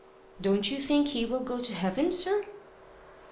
"Don't you think he will go to heaven, sir?"